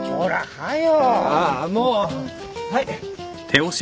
はい。